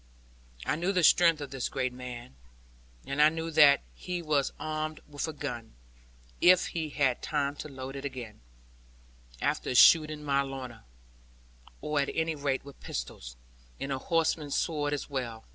I knew the strength of this great man; and I knew that he was armed with a gun if he had time to load again, after shooting my Lorna or at any rate with pistols, and a horseman's sword as well.